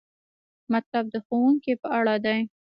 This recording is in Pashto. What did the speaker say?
مطلب د ښوونکي په اړه دی.